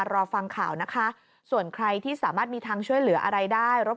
รอฟังข่าวนะคะส่วนใครที่สามารถมีทางช่วยเหลืออะไรได้รบ